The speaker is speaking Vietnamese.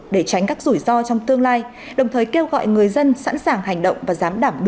để tránh các rủi ro trong tương lai đồng thời kêu gọi người dân sẵn sàng hành động